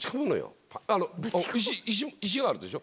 石があるでしょ？